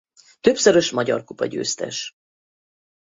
Többszörös magyarkupa-győztes.